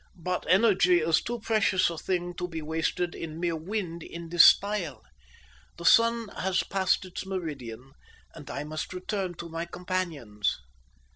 "But energy is too precious a thing to be wasted in mere wind in this style. The sun has passed its meridian, and I must return to my companions."